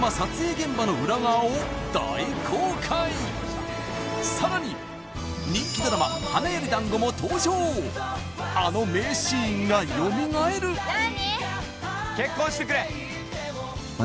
現場の裏側を大公開さらに人気ドラマ「花より男子」も登場あの名シーンが蘇る何？